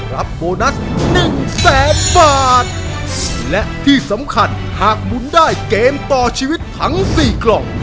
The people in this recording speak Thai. โบนัสหนึ่งแสนบาทและที่สำคัญหากหมุนได้เกมต่อชีวิตทั้งสี่กล่อง